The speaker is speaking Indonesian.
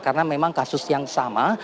karena memang kasus yang sama